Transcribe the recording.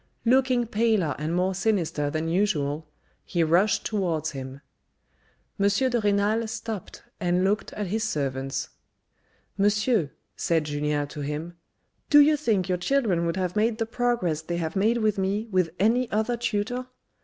Looking paler and more sinister than usual, he rushed towards him. M. de Renal stopped and looked at his servants. " Monsieur," said Julien to him, " Do you think your children would have made the progress they have made with me with any other tutor?